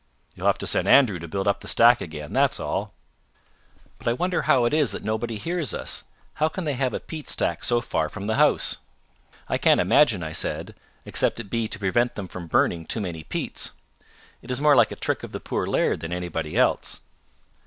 "You'll have to send Andrew to build up the stack again that's all." "But I wonder how it is that nobody hears us. How can they have a peat stack so far from the house?" "I can't imagine," I said; "except it be to prevent them from burning too many peats. It is more like a trick of the poor laird than anybody else."